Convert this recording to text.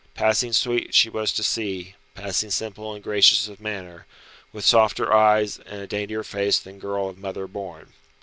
Passing sweet she was to see, passing simple and gracious of manner, with softer eyes and a daintier face than girl of mother born.